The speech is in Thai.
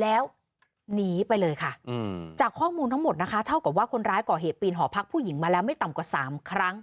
แล้วหนีไปเลยค่ะจากข้อมูลทั้งหมดนะคะเท่ากับว่าคนร้ายก่อเหตุปีนหอพักผู้หญิงมาแล้วไม่ต่ำกว่า๓ครั้ง